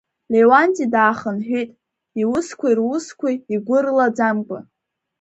Леуанти даахынҳәит, иусқәеи русқәеи игәы рылаӡамкәа.